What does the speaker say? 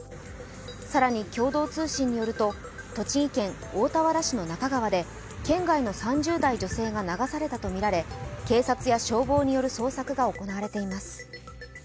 更に共同通信によると栃木県大田原市の那珂川で県外の３０代女性が流されたとみられ、警察や消防による捜索が行われています。